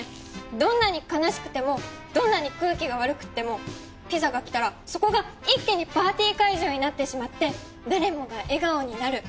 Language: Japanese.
どんなに悲しくてもどんなに空気が悪くてもピザが来たらそこが一気にパーティー会場になってしまって誰もが笑顔になる！